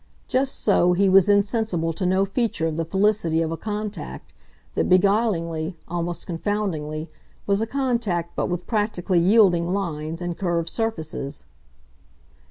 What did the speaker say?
Just so, he was insensible to no feature of the felicity of a contact that, beguilingly, almost confoundingly, was a contact but with practically yielding lines and curved surfaces.